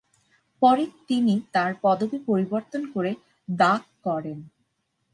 পরে তিনি তার পদবি পরিবর্তন করে "দাগ" করেন।